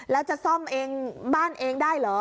แล้วจะซ่อมเองบ้านเองได้เหรอ